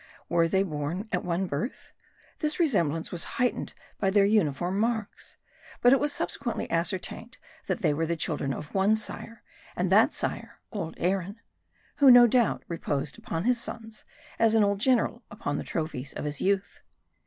Were they born at one birth ? This resemblance was heightened by their uniform marks. But it was subsequent ly ascertained, that they were the children of one sire ; and that sire, old Aaron ; who, no doubt, reposed upon his sons, as an old general upon the trophies of his youth.